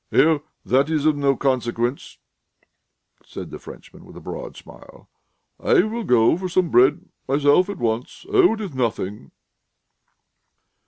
"Oh, that's of no consequence," said the Frenchman, with a broad smile. "I will go for some bread myself at once. Oh, it's nothing."